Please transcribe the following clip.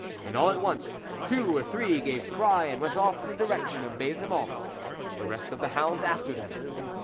Then, all at once, two or three gave cry and went off in the direction of Baisemont, the rest of the hounds after them.